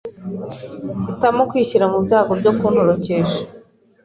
ahitamo kwishyira mu byago byo kuntorokesha,